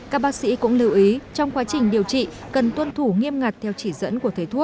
các bác sĩ cũng lưu ý trong quá trình điều trị cần tuân thủ nghiêm ngặt